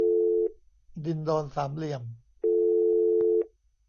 ดินดอนสามเหลี่ยม